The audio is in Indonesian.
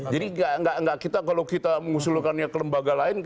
jadi nggak kita kalau kita mengusulkannya ke lembaga lain